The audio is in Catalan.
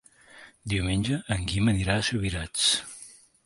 Diumenge en Guim anirà a Subirats.